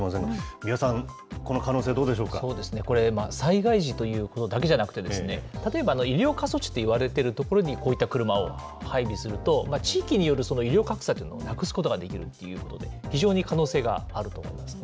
三輪さん、この可能性、どうでしこれ、災害時というだけじゃなくて、例えば、医療過疎地といわれてる所にこういった車を配備すると、地域による医療格差というものをなくすことができるということで、非常に可能性があると思いますね。